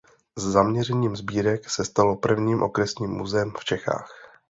Zaměřením sbírek se stalo prvním okresním muzeem v Čechách.